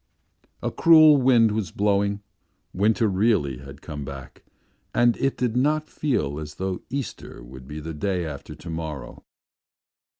A cruel wind was blowing, winter really had come back and it did not feel as though Easter would be the day after to morrow.